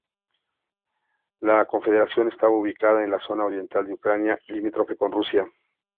La confederación estaba ubicada en la zona oriental de Ucrania, limítrofe con Rusia.